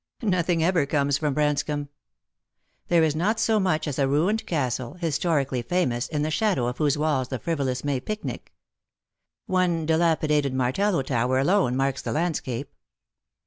Nothing ever comes from Branscomb. There is not so much as a ruined castle, historically famous, in the shadow of whose walls the frivolous may pic nic. One dilapidated martello tower alone marks the landscape.